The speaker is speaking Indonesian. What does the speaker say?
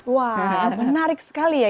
wah menarik sekali ya